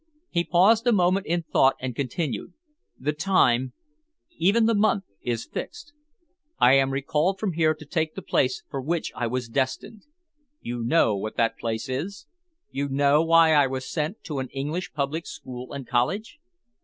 He paused a moment in thought and continued, "the time, even the month, is fixed. I am recalled from here to take the place for which I was destined. You know what that place is? You know why I was sent to an English public school and college?"